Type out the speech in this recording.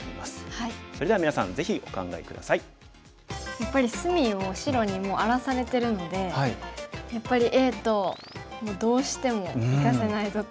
やっぱり隅を白にもう荒らされてるのでやっぱりＡとどうしてもいかせないぞと。